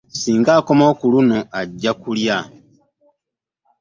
Ssinga akomawo ku luno ajja kulya.